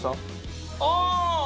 ああ！